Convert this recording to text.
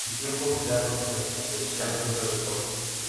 El tiempo empleado en la composición siempre fue corto.